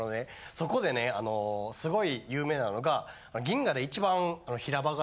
そこでねすごい有名なのが。